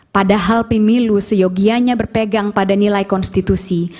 padahal pemilu seyogianya berpegang pada nilai konstitusi